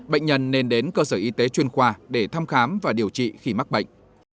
bệnh nhân nên đến cơ sở y tế chuyên khoa để thăm khám và điều trị khi mắc bệnh